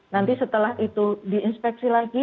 nanti setelah itu diinspeksi lagi